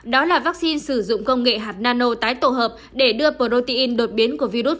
đó là vaccine sử dụng công nghệ hạt nano tái tổ hợp để đưa protein đột biến của virus corona